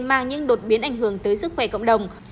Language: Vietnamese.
mang những đột biến ảnh hưởng tới sức khỏe cộng đồng